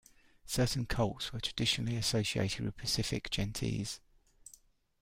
Certain cults were traditionally associated with specific gentes.